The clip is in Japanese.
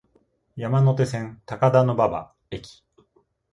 山手線、高田馬場駅